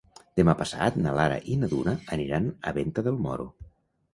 Demà passat na Lara i na Duna aniran a Venta del Moro.